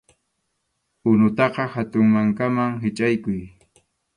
Unutaqa hatun mankaman hichʼaykuy.